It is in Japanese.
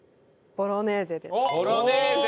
ボロネーゼ！